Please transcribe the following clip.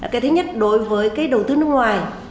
cái thứ nhất đối với cái đầu tư nước ngoài